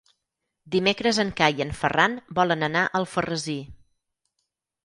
Dimecres en Cai i en Ferran volen anar a Alfarrasí.